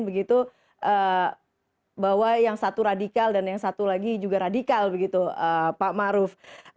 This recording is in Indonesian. begitu bahwa yang satu radikal dan yang satu lagi juga radikal begitu pak maruf